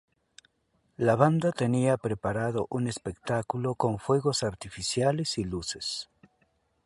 La banda tenía preparado un espectáculo con fuegos artificiales y luces.